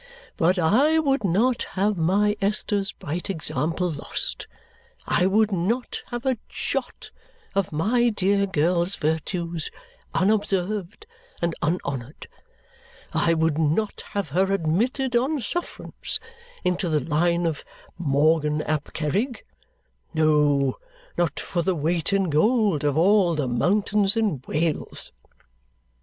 But I would not have my Esther's bright example lost; I would not have a jot of my dear girl's virtues unobserved and unhonoured; I would not have her admitted on sufferance into the line of Morgan ap Kerrig, no, not for the weight in gold of all the mountains in Wales!"